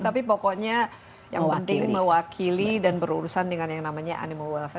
tapi pokoknya yang penting mewakili dan berurusan dengan yang namanya animal welfare